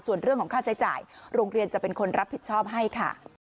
ส่วนเรื่องของค่าใช้จ่ายโรงเรียนจะเป็นคนรับผิดชอบให้ค่ะ